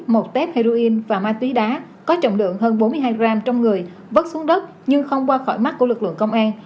một tép heroin và ma túy đá có trọng lượng hơn bốn mươi hai g trong người vớt xuống đất nhưng không qua khỏi mắt của lực lượng công an